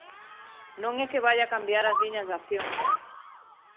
Non é que vaia cambiar as liñas de acción.